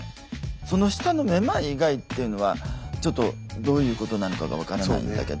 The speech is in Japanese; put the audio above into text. その下のめまい以外っていうのはちょっとどういうことなのかが分からないんだけど。